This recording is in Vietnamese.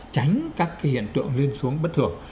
tránh các cái hiện tượng lên xuống bất thường